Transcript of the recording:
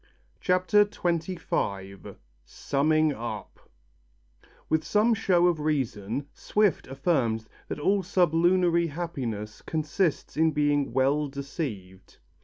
CHAPTER XXV SUMMING UP With some show of reason Swift affirmed that all sublunary happiness consists in being well deceived.